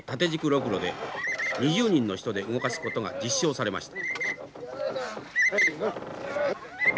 ロクロで２０人の人で動かすことが実証されました。